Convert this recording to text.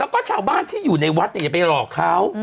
แล้วก็ชาวบ้านที่อยู่ในวัดอย่าไปหลอกเขา